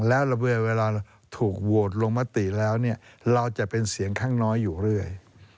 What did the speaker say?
แล้วเวลาเราถูกโหวตลงมติแล้วเนี่ยเราจะเป็นเสียงข้างน้อยอยู่เรื่อย